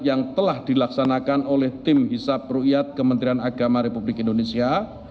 yang telah dilaksanakan oleh tim hisap ruqyat kementerian agama republik indonesia